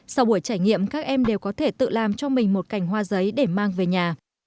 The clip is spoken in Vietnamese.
sau buổi trải nghiệm các em đều có thể tự làm cho mình một cành hoa giấy để mang về nhà